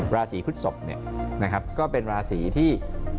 ราศีพฤศพนะครับก็เป็นราศีที่